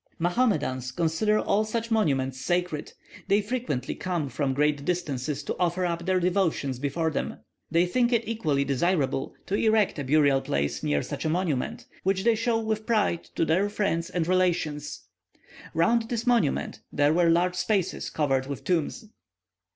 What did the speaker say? Mahomedans consider all such monuments sacred; they frequently come from great distances to offer up their devotions before them. They think it equally desirable to erect a burial place near such a monument, which they show with pride to their friends and relations. Round this monument there were large spaces covered with tombs.